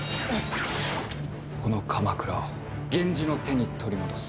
この鎌倉を源氏の手に取り戻す。